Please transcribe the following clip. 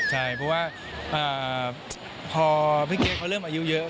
ใช่เพราะว่าพอพี่เก๊เขาเริ่มอายุเยอะ